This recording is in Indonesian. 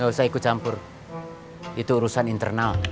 nggak usah ikut campur itu urusan internal